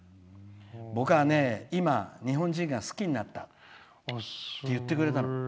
僕は今、日本人、好きになったって言ってくれたの。